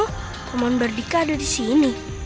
huh paman bardika ada disini